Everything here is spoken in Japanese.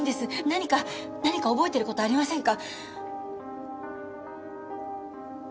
何か何か覚えてる事ありませんか？